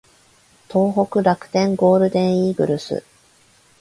東北楽天ゴールデンイーグルス